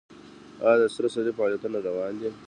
آیا د سره صلیب فعالیتونه روان دي؟